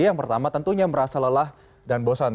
yang pertama tentunya merasa lelah dan bosan